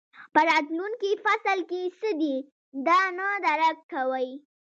په راتلونکي فصل کې څه دي دا نه درک کوئ.